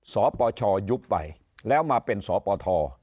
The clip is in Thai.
สปชยุบไปแล้วมาเป็นสปท